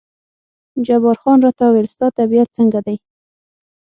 جبار خان راته وویل ستا طبیعت څنګه دی؟